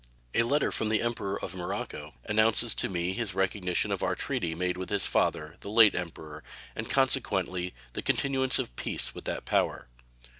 A letter from the Emperor of Morocco announces to me his recognition of our treaty made with his father, the late Emperor, and consequently the continuance of peace with that power.